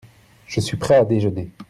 Je suis prêt à déjeuner.